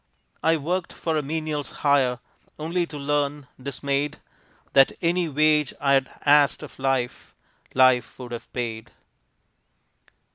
I worked for a menial's hire, Only to learn, dismayed, That any wage I had asked of Life, Life would have paid.